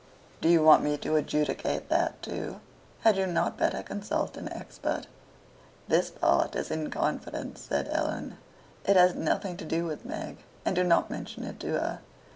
" "Do you want me to adjudicate that too? Had you not better consult an expert?" "This part is in confidence," said Helen. "It has nothing to do with Meg, and do not mention it to her.